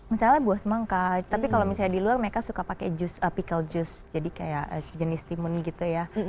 misalnya buah semangka tapi kalau misalnya di luar mereka suka pakai jus pikal jus jadi kayak sejenis timun gitu ya